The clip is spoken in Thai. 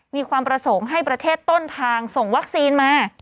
มีความประสงค์ให้ประเทศต้นทางส่งวัคซีนมา